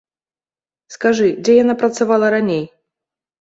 Скажы, дзе яна працавала раней?